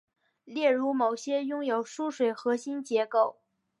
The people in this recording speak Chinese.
例如某些拥有疏水核心结构。